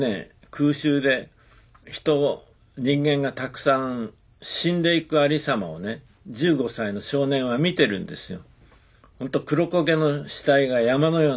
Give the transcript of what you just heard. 空襲で人間がたくさん死んでいくありさまをね１５歳の少年は見てるんですよ。